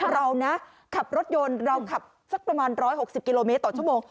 เรานะขับรถยนต์เราขับสักประมาณ๑๖๐กิโลเมตรต่อชั่วโมง